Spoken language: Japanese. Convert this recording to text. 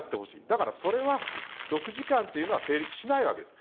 だからそれは、６時間というのは成立しないわけです。